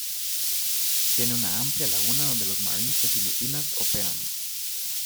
Tiene una amplia laguna donde los Marines de Filipinas operan.